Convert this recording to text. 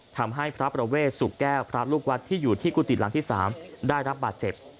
ทำให้พระประเวทสุแก้วพระลูกวัดที่อยู่ที่กุฏิหลังที่๓ได้รับบาดเจ็บ